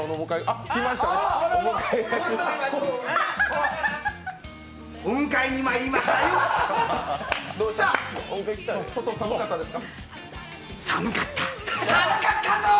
お迎えにまいりましたよ。